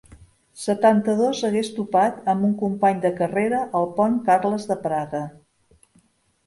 Setanta-dos hagués topat amb un company de carrera al pont Carles de Praga.